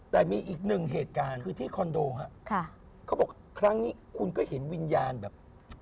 แต่มีอีกหนึ่งเหตุการณ์คือที่คอนโดฮะค่ะเขาบอกครั้งนี้คุณก็เห็นวิญญาณแบบ